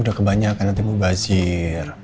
udah kebanyakan nanti bu basir